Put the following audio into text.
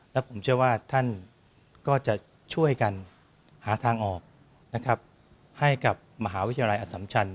และผมเชื่อว่าท่านก็จะช่วยกันหาทางออกนะครับให้กับมหาวิทยาลัยอสัมชัน